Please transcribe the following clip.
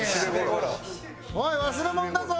おい忘れ物だぞ！